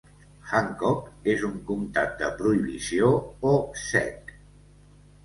Hancock és un comtat de prohibició, o "sec".